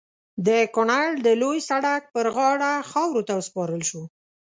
د کونړ د لوی سړک پر غاړه خاورو ته وسپارل شو.